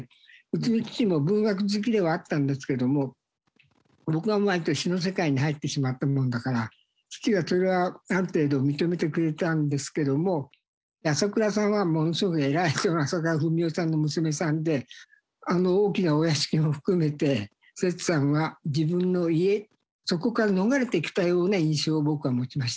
うちの父も文学好きではあったんですけども僕が詩の世界に入ってしまったものだから父はそれはある程度認めてくれたんですけども朝倉さんはものすごく偉い朝倉文夫さんの娘さんであの大きなお屋敷も含めて摂さんは自分の家そこから逃れてきたような印象を僕は持ちました。